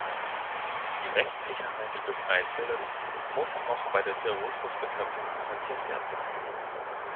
Die Rechtssicherheit des Einzelnen muss auch bei der Terrorismusbekämpfung garantiert werden.